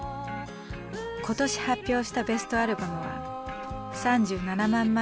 今年発表したベストアルバムは３７万枚以上を売り上げ